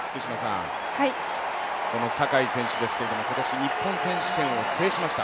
この坂井選手ですけど今年日本選手権を制しました。